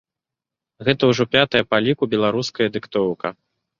Гэта ўжо пятая па ліку беларуская дыктоўка.